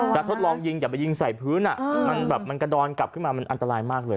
ทดลองยิงอย่าไปยิงใส่พื้นมันแบบมันกระดอนกลับขึ้นมามันอันตรายมากเลย